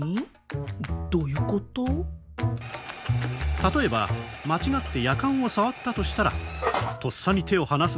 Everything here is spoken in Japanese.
例えば間違ってやかんを触ったとしたらとっさに手を離すでしょう？